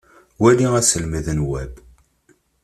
Wali aselmed n Web.